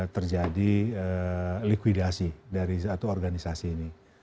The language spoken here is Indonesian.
terjadi likuidasi dari satu organisasi ini